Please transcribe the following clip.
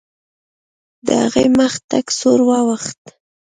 د هغې مخ تک سور واوښت.